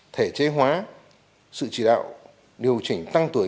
thể chế hóa sự chỉ đạo điều chỉnh tăng tuổi